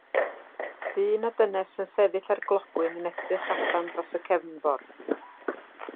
Dyn a dynes yn sefyll ar glogwyn yn edrych allan dros y cefnfor.